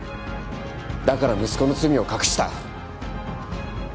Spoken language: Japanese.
だから息子の罪を隠した。